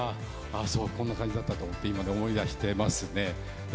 こんな感じだったって今、思い出しています。